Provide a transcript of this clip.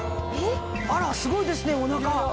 あらすごいですねお腹。